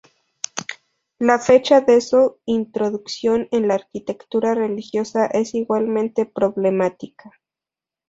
La fecha de su introducción en la arquitectura religiosa es igualmente problemática.